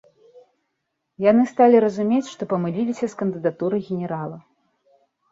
Яны сталі разумець, што памыліліся з кандыдатурай генерала.